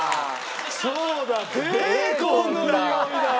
そうだベーコンのにおいだ。